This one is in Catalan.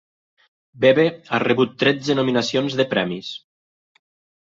Bebe ha rebut tretze nominacions de premis.